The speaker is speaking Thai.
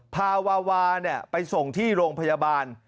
พาวาวาไปส่งที่โรงพยาบาล